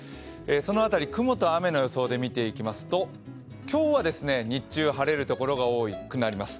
その辺り、雲と雨の予想で見ていきますと、今日は日中晴れるところが多くなります。